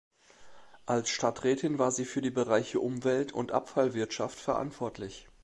Als Stadträtin war sie für die Bereiche Umwelt und Abfallwirtschaft verantwortlich.